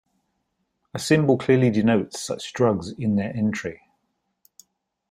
A symbol clearly denotes such drugs in their entry.